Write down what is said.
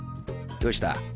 どうした？